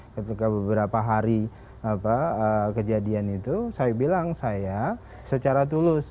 ketika beberapa hari kejadian itu saya bilang saya secara tulus